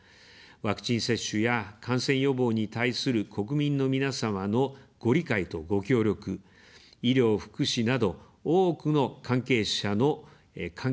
ワクチン接種や感染予防に対する国民の皆様のご理解とご協力、医療・福祉など、多くの関係者の献身的なご尽力のおかげです。